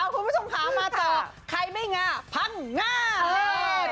คุณผู้ชมหามาต่อใครไม่ง่าพังง่าก